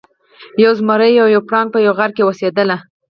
یو زمری او یو پړانګ په یوه غار کې اوسیدل.